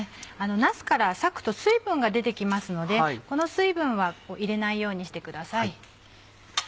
なすから割くと水分が出て来ますのでこの水分は入れないようにしてください。